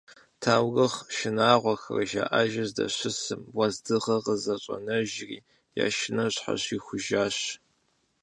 Таурыхъ шынагъуэхэр жаӏэжу здэщысым, уэздыгъэр къыщӏэнэжыри, я шынэр щхьэщихужащ.